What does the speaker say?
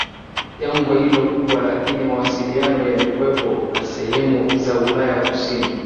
jangwa hilo kubwa Lakini mawasiliano yalikuwepo na sehemu za Ulaya Kusini